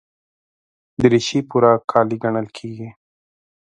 دریشي پوره کالي ګڼل کېږي.